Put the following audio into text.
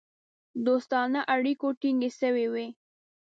دوستانه اړیکو ټینګ سوي وه.